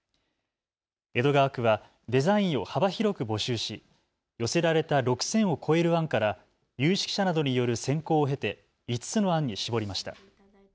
江戸川区はデザインを幅広く募集し寄せられた６０００を超える案から有識者などによる選考を経て５つの案に絞りました。